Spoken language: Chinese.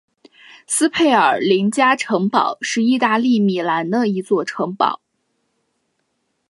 斯佩尔林加城堡是意大利米兰的一座城堡。